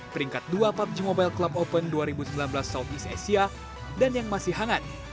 peringkat dua pubg mobile club open dua ribu sembilan belas southeast asia dan yang masih hangat